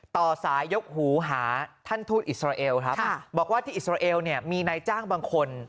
ต่อสายยกหูหาท่านทูตอิสราเอลครับบอกว่าที่อิสราเอลเนี่ยมีนายจ้างบางคน